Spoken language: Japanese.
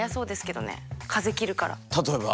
例えば？